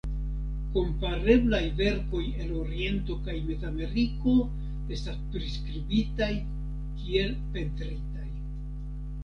Kompareblaj verkoj el Oriento kaj Mezameriko estas priskribitaj kiel pentritaj.